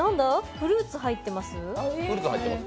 フルーツ入ってます？